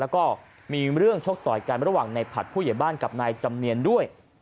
แล้วก็มีเรื่องชกต่อยกันระหว่างในผัดผู้ใหญ่บ้านกับนายจำเนียนด้วย